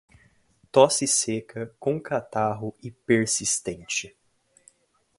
Tosse seca, com catarro, e persistente